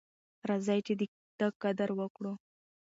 راځئ چې د ده قدر وکړو.